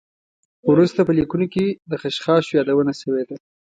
وروسته په لیکنو کې د خشخاشو یادونه شوې ده.